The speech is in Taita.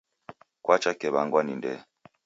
Kwacha kewangwa ni ndee.